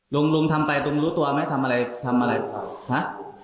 ลุงลุงทำไปลุงรู้ตัวไหมทำอะไรทำอะไรฮะ